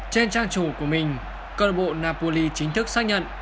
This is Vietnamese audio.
trên trang chủ của mình cơ đội bộ napoli chính thức xác nhận